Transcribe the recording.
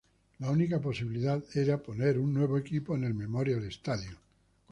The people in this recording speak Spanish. La única posibilidad fue de poner un nuevo equipo era en Memorial Stadium.